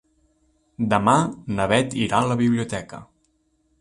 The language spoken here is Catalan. Demà na Beth irà a la biblioteca.